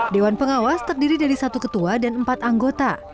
dewan pengawas terdiri dari satu ketua dan empat anggota